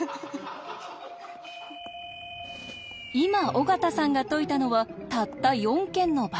今尾形さんが解いたのはたった４軒の場合。